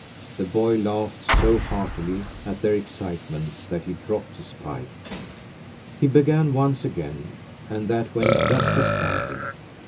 The boy laughed so heartily at their excitement, that he dropped his pipe. He began once again, and that went just as badly.